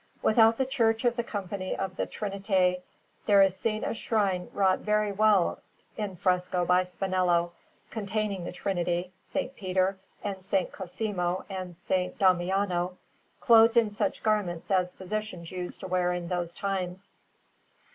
Without the Church of the Company of the Trinità there is seen a shrine wrought very well in fresco by Spinello, containing the Trinity, S. Peter, and S. Cosimo and S. Damiano clothed in such garments as physicians used to wear in those times.